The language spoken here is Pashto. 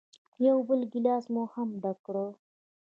یو بل ګیلاس مو هم ډک کړ.